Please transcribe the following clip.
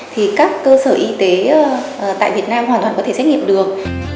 thì các cơ sở y tế tại việt nam hoàn toàn có thể xét nghiệm được